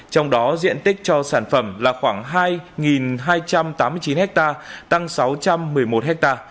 trong đó diện tích cho sản phẩm là khoảng hai hai trăm tám mươi chín ha tăng sáu trăm một mươi một ha